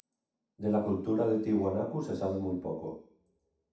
De la cultura de Tiwanaku se sabe muy poco.